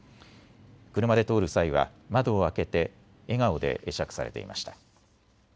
これまで通る際は窓を開けて笑顔で会釈されていました。